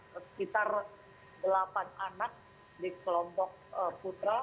sekitar delapan anak di kelompok putra